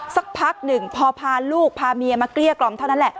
สักพักหนึ่งพอพาลูกพาเมียมาเกลี้ยกล่อมเท่านั้นแหละ